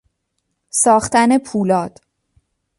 ساختن پولاد